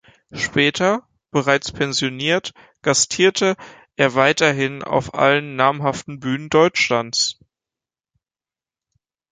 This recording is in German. Später, bereits pensioniert, gastierte er weiterhin auf allen namhaften Bühnen Deutschlands.